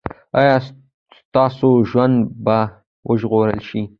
ایا ستاسو ژوند به وژغورل شي؟